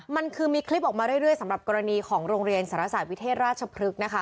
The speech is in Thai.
มันคือมีคลิปออกมาเรื่อยสำหรับกรณีของโรงเรียนสารศาสตร์วิเทศราชพฤกษ์นะคะ